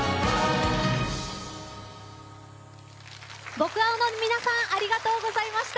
僕青の皆さんありがとうございました。